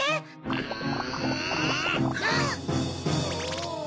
うん。